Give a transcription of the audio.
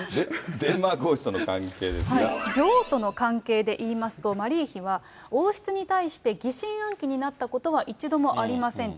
女王との関係で言いますと、マリー妃は、王室に対して疑心暗鬼になったことは一度もありませんと。